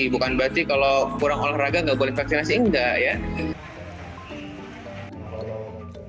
bukan berarti kalau kurang olahraga nggak boleh vaksinasi enggak ya